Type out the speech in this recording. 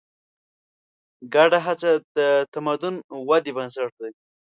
ګډه هڅه د تمدن ودې بنسټ دی.